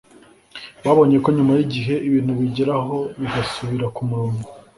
babonye ko nyuma y’igihe ibintu bigera aho bigasubira ku murongo